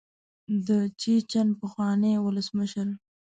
د چیچن پخواني ولسمشر.